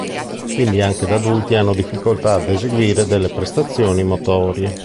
Quindi, anche da adulti hanno difficoltà ad eseguire delle prestazioni motorie.